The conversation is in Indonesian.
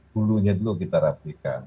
hulunya dulu kita rapikan